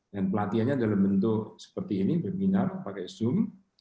dan pelatihannya dalam bentuk seperti ini webinar pakai zoom